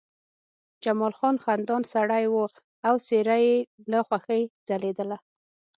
جمال خان خندان سړی و او څېره یې له خوښۍ ځلېدله